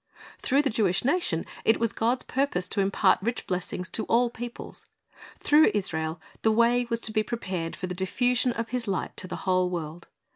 "^ Through the Jewish nation it was God's purpose to impart rich blessings to all peoples. Through Israel the way was to be prepared for the diffusion of His light to the whole world.